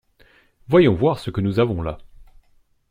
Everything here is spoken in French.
Voyons voir ce que nous avons là!